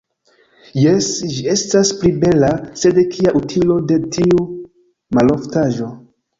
Jes, ĝi estas pli bela, sed kia utilo de tiu maloftaĵo.